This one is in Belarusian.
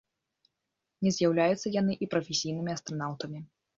Не з'яўляюцца яны і прафесійнымі астранаўтамі.